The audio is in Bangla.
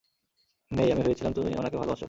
মে, আমি ভেবেছিলাম তুমি ওনাকে ভালোবাসো।